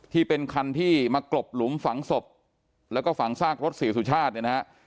ที่เป็นคันที่มากลบหลุมฝังศพแล้วก็ฝังซากรถเสียสุชาติเนี่ยนะฮะ